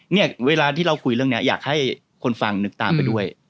เนี่ยเวลาที่เราคุยเรื่องนี้อยากให้คนฟังนึกตามไปด้วย